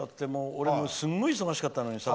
俺、すごい忙しかったのにさ。